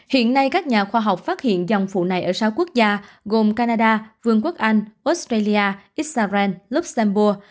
hiện nay các nhà khoa học phát hiện dòng phụ này ở sáu quốc gia gồm canada vương quốc anh australia israel luxembourg